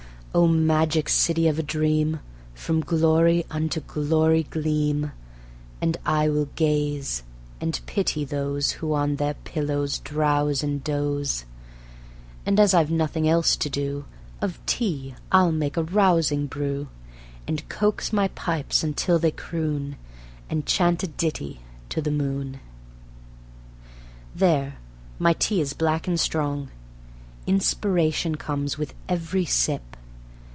O magic city of a dream! From glory unto glory gleam; And I will gaze and pity those Who on their pillows drowse and doze ... And as I've nothing else to do, Of tea I'll make a rousing brew, And coax my pipes until they croon, And chant a ditty to the moon. There! my tea is black and strong. Inspiration comes with every sip.